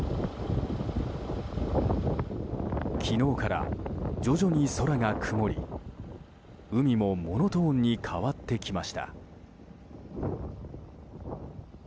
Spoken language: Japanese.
昨日から徐々に空が曇り、海もモノトーンに変わってきました。